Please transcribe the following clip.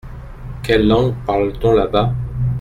Quelle langue parle-t-on là-bas ?